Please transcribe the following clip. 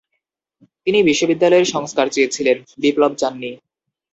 তিনি বিশ্ববিদ্যালয়ের সংস্কার চেয়েছিলেন, বিপ্লব চান নি।